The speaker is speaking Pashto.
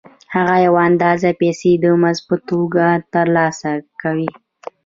هغه یوه اندازه پیسې د مزد په توګه ترلاسه کوي